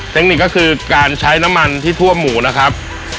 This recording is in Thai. เทคนิคก็คือการใช้น้ำมันที่ทั่วหมูนะครับ